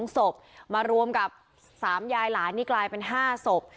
๒ศพมารวมกับ๓ยายหลานนี่กลายเป็น๕ศพ